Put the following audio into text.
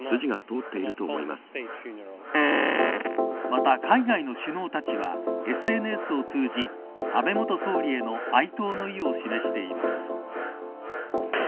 また、海外の首脳たちはＳＮＳを通じ安倍元総理への哀悼の意を示しています。